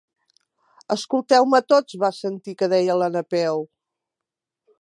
Escolteu-me tots —van sentir que deia la Napeu.